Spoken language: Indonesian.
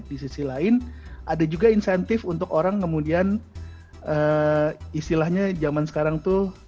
di sisi lain ada juga insentif untuk orang kemudian istilahnya zaman sekarang tuh